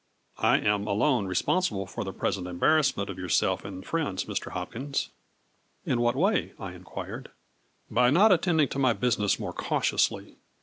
I am alone responsi ble for the present embarrassment of yourself and friends, Mr. Hopkins." " In what way? " I inquired. " By not attending to my business more cautiously.